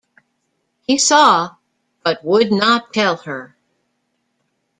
He saw, but would not tell her.